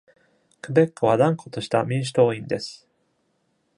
クベックは断固とした民主党員です。